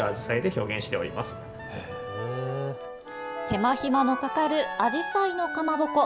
手間暇のかかるあじさいのかまぼこ。